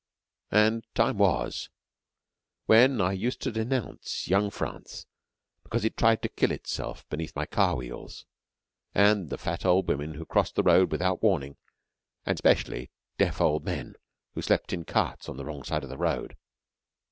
And time was when I used to denounce young France because it tried to kill itself beneath my car wheels; and the fat old women who crossed roads without warning; and the specially deaf old men who slept in carts on the wrong side of the road!